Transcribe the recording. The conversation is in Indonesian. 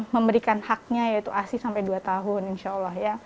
memberikan haknya yaitu asi sampai dua tahun insya allah ya